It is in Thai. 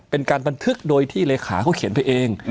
เป็นการบันทึกโดยที่เลขาเขาเขียนไปเอง